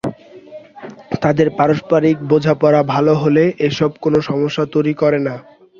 তাঁদের পারস্পরিক বোঝাপড়া ভালো হলে এসব কোনো সমস্যা তৈরি করে না।